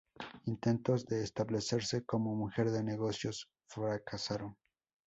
Intentos de establecerse como mujer de negocios fracasaron.